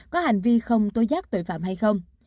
có hành vi không tố giác tội phạm hay không